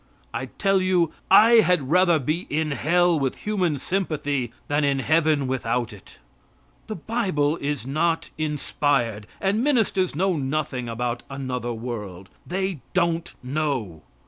I tell you I had rather be in hell with human sympathy than in heaven without it. The bible is not inspired, and ministers know nothing about another world. They don't know.